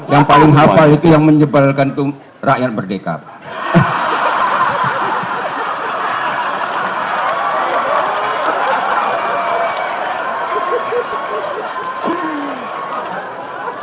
yang paling hafal itu yang menyebalkan itu rakyat merdeka